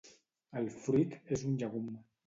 El fruit és un llegum.